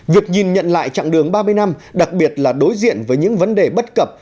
việc nhìn nhận lại chặng đường ba mươi năm đặc biệt là đối diện với những vấn đề bất cập